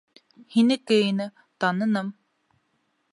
Һинеке ине, таныным.